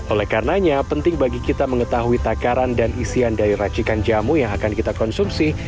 oleh karenanya penting bagi kita mengetahui takaran dan isian dari racikan jamu yang akan kita konsumsi